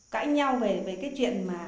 cãi nhau về cái chuyện